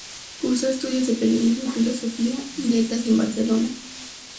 Cursó estudios de Periodismo y Filosofía y Letras en Barcelona.